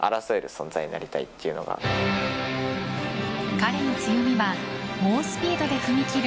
彼の強みは猛スピードで踏み切る